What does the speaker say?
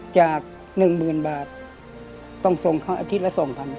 จาก๑๐๐๐บาทต้องส่งเขาอาทิตย์ละ๒๐๐บาท